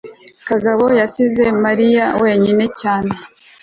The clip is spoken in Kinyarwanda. kagabo yasize mariya wenyine cyane